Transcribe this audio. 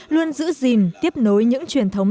luôn giữ gìn tiếp nối những truyền thống